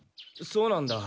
そうなんだ。